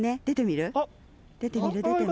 出てみる？